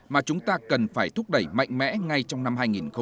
mà chúng ta cần phải thúc đẩy mạnh mẽ ngay trong năm hai nghìn hai mươi